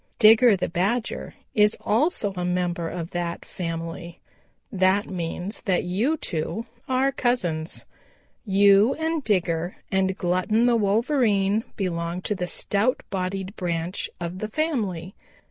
Digger the Badger is also a member of that family. That means that you two are cousins. You and Digger and Glutton the Wolverine belong to the stout bodied branch of the family.